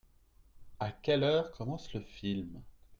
À quelle heure commence le film ?